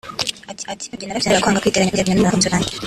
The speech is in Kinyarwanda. Ati “Jye narabyanze kubera kwanga kwiteranya n’umukunzi wanjye